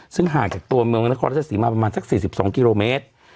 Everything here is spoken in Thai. ซึ่งห่างจากตัวเมืองนครราชสีมาประมาณสัก๔๒กิโลเมตร